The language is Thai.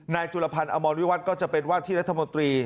จุลพันธ์อมรวิวัตรก็จะเป็นว่าที่รัฐมนตรี